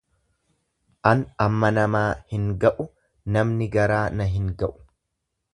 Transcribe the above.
An amma namaa hin ga'u, namni garaa na hin ga'u.